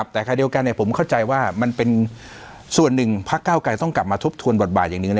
แต่ใครเดียวกันผมเข้าใจว่ามันเป็นส่วนหนึ่งพักเก้าไกรต้องกลับมาทบทวนบทบาทอย่างหนึ่ง